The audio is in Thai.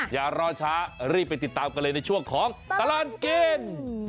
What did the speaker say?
อย่ารอช้ารีบไปติดตามกันเลยในช่วงของตลอดกิน